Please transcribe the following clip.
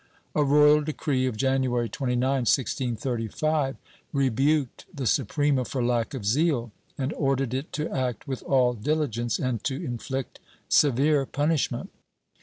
A royal decree of January 29, 1635, rebuked the Suprema for lack of zeal, and ordered it to act with all diligence and to inflict severe punishment.